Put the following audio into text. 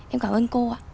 em cảm ơn cô ạ